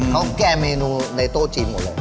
เขาแก้เมนูในโต๊ะจีนหมดเลย